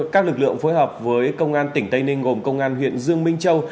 các lực lượng phối hợp với công an tỉnh tây ninh gồm công an huyện dương minh châu